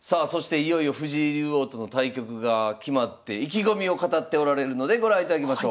いよいよ藤井竜王との対局が決まって意気込みを語っておられるのでご覧いただきましょう。